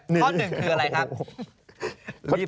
ข้อหนึ่งคืออะไรครับ